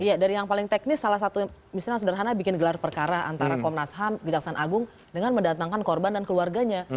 iya dari yang paling teknis salah satu misalnya sederhana bikin gelar perkara antara komnas ham kejaksaan agung dengan mendatangkan korban dan keluarganya